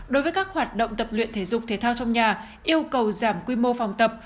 đối với các hoạt động tập luyện thể dục thể thao trong nhà yêu cầu giảm quy mô phòng tập